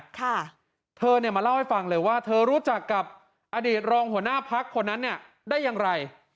ค่ะเธอเนี่ยมาเล่าให้ฟังเลยว่าเธอรู้จักกับอดีตรองหัวหน้าพักคนนั้นเนี่ยได้อย่างไร